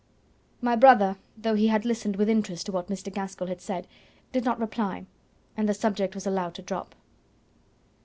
My brother, though he had listened with interest to what Mr. Gaskell had said, did not reply, and the subject was allowed to drop.